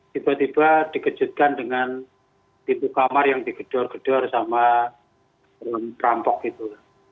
tiba tiba dikejutkan dengan pintu kamar yang digedor gedor sama perampok gitu